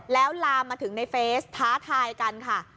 แล้วลามมาถึงในเฟซท้าทายกันค่ะ